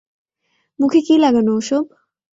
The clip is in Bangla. মুখে কী লাগানো ওসব?